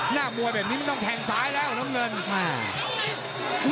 หน้ามวยแบบนี้มันต้องแทงซ้ายแล้วน้ำเงิน